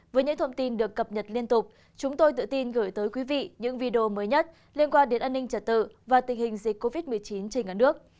với những thông tin được cập nhật liên tục chúng tôi tự tin gửi tới quý vị những video mới nhất liên quan đến an ninh trật tự và tình hình dịch covid một mươi chín trên cả nước